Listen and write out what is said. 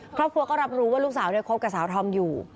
ครอบครัวก็รับรู้ว่าลูกสาวเนี่ยคบกับสาวธอมอยู่